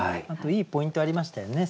いいポイントありましたよね。